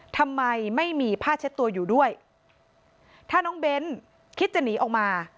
ทำไมไม่มีผ้าเช็ดตัวอยู่ด้วยถ้าน้องเบ้นคิดจะหนีออกมา